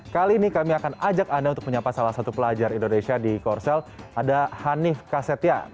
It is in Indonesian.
kali ini kami akan ajak anda untuk menyapa salah satu pelajar indonesia di korsel ada hanif kasetya